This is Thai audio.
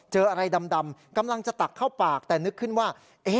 เจออะไรดำกำลังจะตักเข้าปากแต่นึกขึ้นว่า